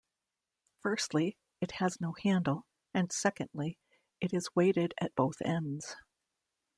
Firstly, it has no handle and secondly it is weighted at both ends.